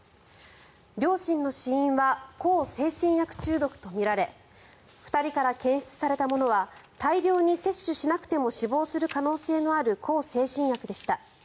両親の死因は向精神薬中毒とみられ２人から検出されたものは大量に摂取しなくても死亡する可能性のある向精神薬でした。